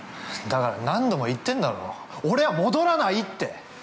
◆だから何度も言ってんだろう、俺は戻らないって。